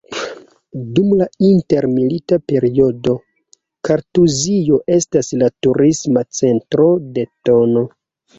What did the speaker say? Dum la intermilita periodo Kartuzio estis la Turisma Centro de tn.